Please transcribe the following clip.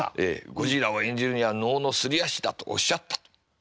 ゴジラを演じるには能のすり足だとおっしゃったと。